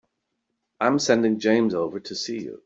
I'm sending James over to see you.